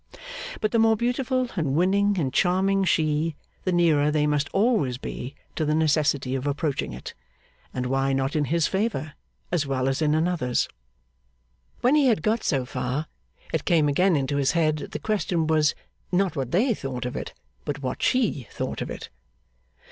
But the more beautiful and winning and charming she, the nearer they must always be to the necessity of approaching it. And why not in his favour, as well as in another's? When he had got so far, it came again into his head that the question was, not what they thought of it, but what she thought of it.